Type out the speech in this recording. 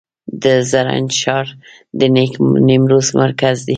د زرنج ښار د نیمروز مرکز دی